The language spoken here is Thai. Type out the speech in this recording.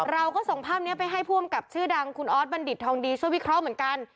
เราก็ส่งภาพนี้ไปให้ผู้อำกับชื่อดังคุณออสบัณฑิตทองดีช่วยวิเคราะห์เหมือนกัน